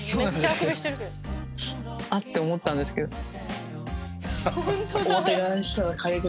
あっ！って思ったんですけど。